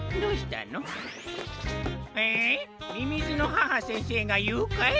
えみみずの母先生がゆうかい！？